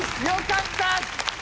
よかった。